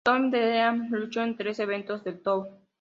Tommy Dreamer luchó en los tres eventos del tour.